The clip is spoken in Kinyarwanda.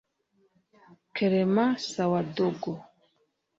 Clement Sawadogo